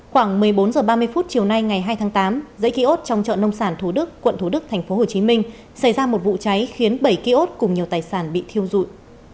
khoảng một mươi bốn h ba mươi chiều nay ngày hai tháng tám dãy ký ốt trong chợ nông sản thủ đức quận thủ đức tp hcm xảy ra một vụ cháy khiến bảy ký ốt cùng nhiều tài sản bị thiêu rụi